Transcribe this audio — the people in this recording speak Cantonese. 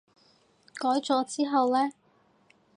改咗之後呢？